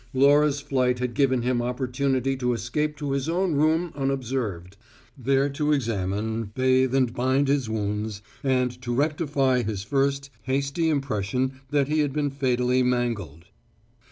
Laura's flight had given him opportunity to escape to his own room unobserved; there to examine, bathe and bind his wounds, and to rectify his first hasty impression that he had been fatally mangled.